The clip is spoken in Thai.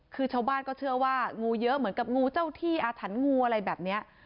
คือชาวบ้านก็เชื่อว่างูเยอะเหมือนกับงูเจ้าที่อาถรรพ์งูอะไรแบบนี้